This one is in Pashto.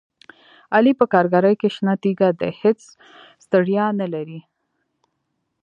علي په کارګرۍ کې شنه تیږه دی، هېڅ ستړیې نه لري.